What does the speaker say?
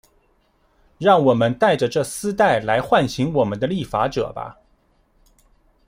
让我们戴着这丝带来唤醒我们的立法者吧。